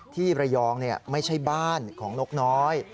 ที่ระยองไม่ใช่บ้านของนกน้อย